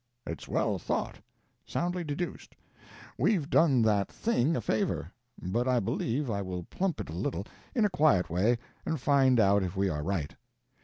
"It's well thought! Soundly deduced. We've done that Thing a favor. But I believe I will pump it a little, in a quiet way, and find out if we are right."